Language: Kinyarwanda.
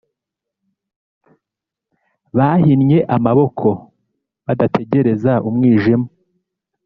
Bahinnye amaboko badategereza umwijima